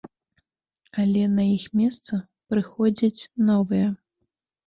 Але на іх месца прыходзяць новыя.